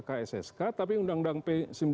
kssk tapi undang undang p sembilan